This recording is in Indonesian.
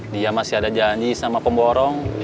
dia masih ada janji sama pemborong